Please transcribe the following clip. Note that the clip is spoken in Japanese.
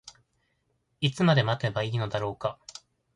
いつまで待てばいいのだろうか。